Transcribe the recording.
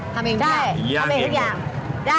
ทำเองพร้าวย่างเองก่อนใช่ทำเองทุกอย่าง